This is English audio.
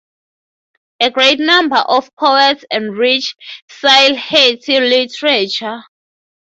A great number of poets enriched Sylheti literature.